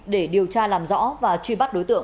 để điều tra làm rõ và truy bắt đối tượng